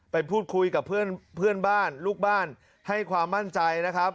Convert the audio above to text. ไปพูดคุยกับเพื่อนบ้านลูกบ้านให้ความมั่นใจนะครับ